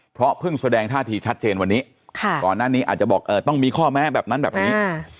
เพราะเพิ่งแสดงท่าทีชัดเจนวันนี้ก่อนหน้านี้อาจจะบอกต้องมีข้อแม้แบบนั้นแบบนี้